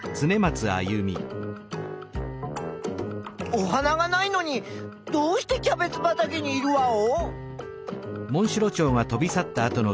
お花がないのにどうしてキャベツばたけにいるワオ？